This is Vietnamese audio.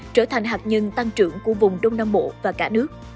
trở thành hạt nhân tăng trưởng của vùng đông nam bộ và cả nước